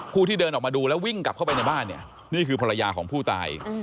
ที่เดินออกมาดูแล้ววิ่งกลับเข้าไปในบ้านเนี่ยนี่คือภรรยาของผู้ตาย